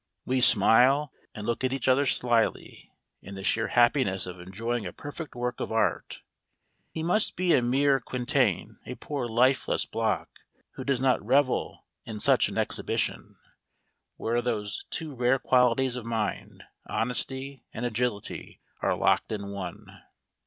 We smile, and look at each other slyly, in the sheer happiness of enjoying a perfect work of art. He must be a mere quintain, a poor lifeless block, who does not revel in such an exhibition, where those two rare qualities of mind honesty and agility are locked in one.